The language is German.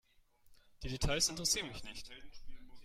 Die Details interessieren mich nicht.